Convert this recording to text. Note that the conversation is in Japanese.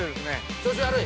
◆調子が悪い。